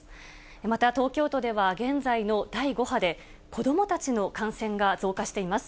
また東京都では、現在の第５波で、子どもたちの感染が増加しています。